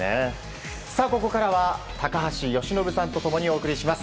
ここからは高橋由伸さんと共にお伝えします。